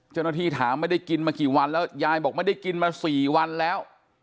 เจ้าหน้าที่ถามไม่ได้กินมากี่วันแล้วยายบอกไม่ได้กินมา๔วันแล้ว